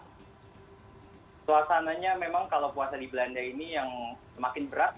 suasananya memang kalau puasa di belanda ini yang semakin berat